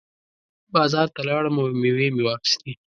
بازار ته لاړم او مېوې مې واخېستې.